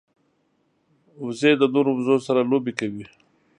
وزې د نورو وزو سره لوبې کوي